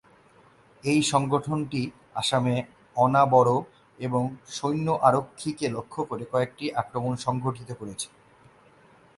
এই সংগঠনটি আসামে অনা-বড়ো এবং সৈন্য-আরক্ষীকে লক্ষ্য করে কয়েকটি আক্রমণ সংঘটিত করেছে।